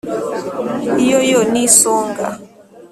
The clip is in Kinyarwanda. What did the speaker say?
iyo yo ni isonga